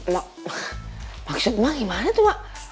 mak maksud mak gimana tuh mak